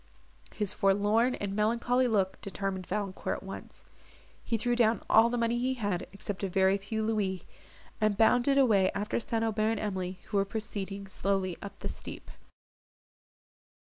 His forlorn and melancholy look determined Valancourt at once; he threw down all the money he had, except a very few louis, and bounded away after St. Aubert and Emily, who were proceeding slowly up the steep.